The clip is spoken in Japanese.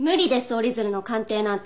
折り鶴の鑑定なんて。